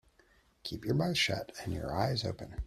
Keep your mouth shut and your eyes open.